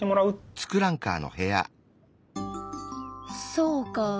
そうか。